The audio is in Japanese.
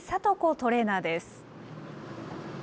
トレーナーです。